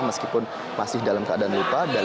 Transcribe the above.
meskipun masih dalam keadaan lupa